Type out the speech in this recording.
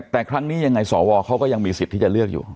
แต่ครั้งนี้ยังไงสวเขาก็ยังมีสิทธิ์ที่จะเลือกอยู่